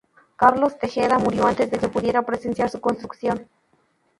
Carlos Tejeda murió antes de que pudiera presenciar su construcción.